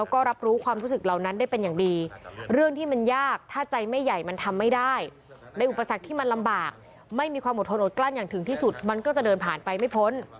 ก็กลั้นอย่างถึงที่สุดมันก็จะเดินผ่านไปไม่พ้น